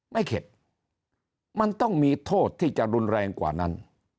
เข็ดมันต้องมีโทษที่จะรุนแรงกว่านั้น